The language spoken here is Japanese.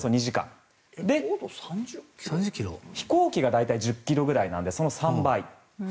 飛行機が大体１０ｋｍぐらいなのでその３倍。